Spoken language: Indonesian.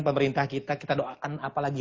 pemerintah kita kita doakan apalagi